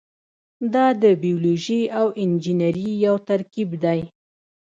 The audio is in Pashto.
دا د بیولوژي او انجنیری یو ترکیب دی.